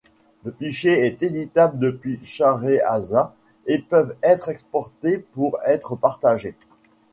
Le fichier est éditable depuis Shareaza et peuvent être exportés pour être partagés.